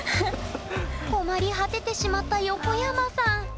困り果ててしまった横山さん。